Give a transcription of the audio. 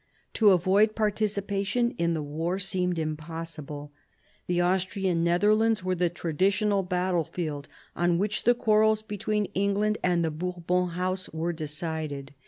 To avoid participation in the war seemed impossible. The Austrian Netherlands were the traditional battlefield on which the quarrels between England and the Bourbon House were decided.